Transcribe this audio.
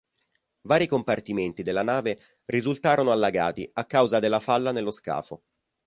Vari compartimenti della nave risultarono allagati a causa della falla nello scafo.